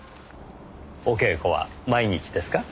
お稽古は毎日ですか？